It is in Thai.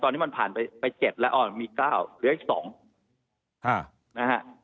ตอนนี้มันผ่านไป๗แล้วมี๙เหลืออีก๒นะฮะ